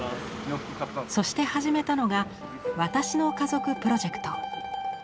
そして始めたのが「私の家族」プロジェクト。